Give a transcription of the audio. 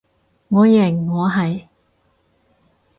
我認我係